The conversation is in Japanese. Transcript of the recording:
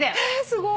すごい。